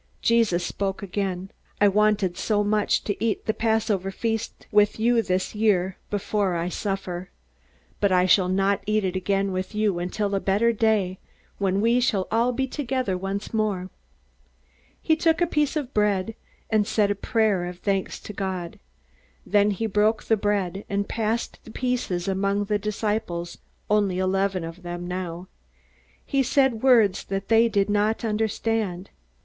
Jesus spoke again: "I wanted so much to eat the Passover feast with you this year, before I suffer. But I shall not eat it again with you until a better day, when we shall all be together once more." He took up a piece of bread, and said a prayer of thanks to God. Then he broke the bread, and passed the pieces among the disciples only eleven of them now. He said words that they did not understand.